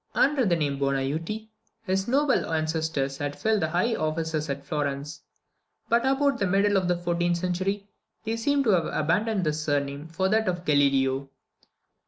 Under the name of Bonajuti, his noble ancestors had filled high offices at Florence; but about the middle of the 14th century they seem to have abandoned this surname for that of Galileo.